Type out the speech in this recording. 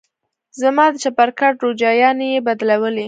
زما د چپرکټ روجايانې يې بدلولې.